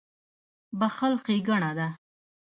• بښل ښېګڼه ده.